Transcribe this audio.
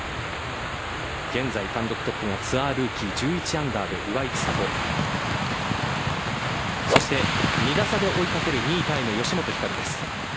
現在、単独トップはツアールーキー１１アンダーの岩井千怜２打差で追いかける２位タイの吉本ひかるです。